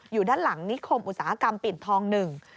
อยู่ด้านหลังนิคมอุตสาหกรรมปิ่นทองหนึ่ง